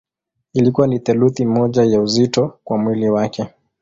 Ilikuwa ni theluthi moja ya uzito wa mwili wake.